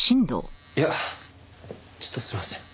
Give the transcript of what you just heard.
いやちょっとすみません。